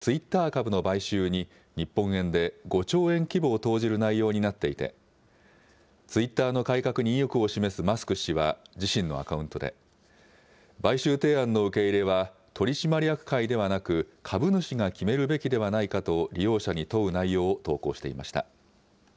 今回の提案はツイッター株の買収に日本円で５兆円規模を投じる内容になっていてツイッターの改革に意欲を示すマスク氏は自身のアカウントで買収提案の受け入れは取締役会ではなく株主が決めるべきではないかと利用者に問う内容を投稿していました。